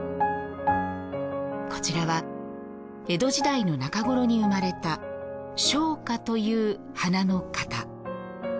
こちらは江戸時代の中頃に生まれた生花という花の型。